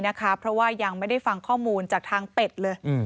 เพราะว่ายังไม่ได้ฟังข้อมูลจากทางเป็ดเลย